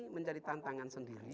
menjadi tantangan sendiri